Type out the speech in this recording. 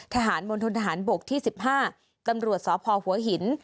ทหารบนทนทหารบกที่๑๕ตำรวจสภพหัวหิน